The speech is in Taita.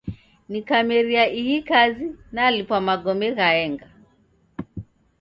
Nikameria ihi kazi nalipwa magome ghaenga.